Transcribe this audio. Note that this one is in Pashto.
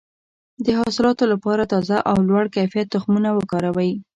د حاصلاتو لپاره تازه او لوړ کیفیت تخمونه وکاروئ.